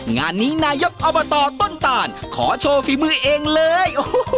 งานนี้นายกอบตต้นตานขอโชว์ฝีมือเองเลย